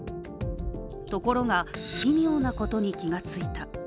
ところが、奇妙なことに気が付いた。